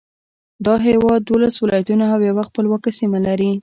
دا هېواد دولس ولایتونه او یوه خپلواکه سیمه لري.